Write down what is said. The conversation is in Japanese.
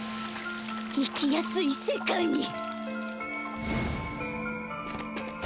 生きやすい世界に